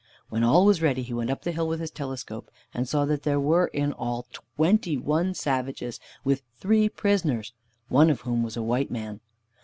When all was ready he went up the hill with his telescope, and saw that there were in all twenty one savages, with three prisoners, one of whom was a white man.